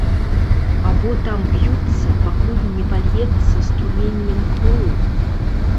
Або там б'юцца, пакуль не пальецца струменем кроў?